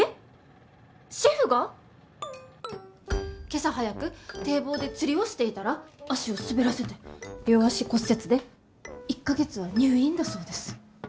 今朝早く堤防で釣りをしていたら足を滑らせて両足骨折で１か月は入院だそうです。